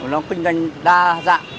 nó kinh doanh đa dạng